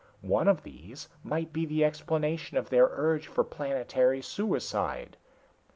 One of these might be the explanation of their urge for planetary suicide."